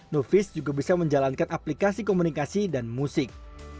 novis juga bisa menjalankan aplikasi komunikasi dan musik